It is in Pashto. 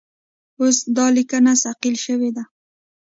اوس دا لیکنه صیقل شوې ده.